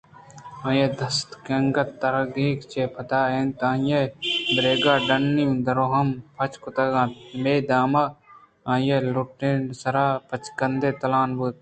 آئیءِ دست انگتءَ دریگءَ چہ پدّر اَت ءُآئیءَ دریگءِ ڈنّی درہم پچ کُتگ اَت ءُہمے دمان ءَ آئی ءِلنٹانی سرا بچکندے تالان بوت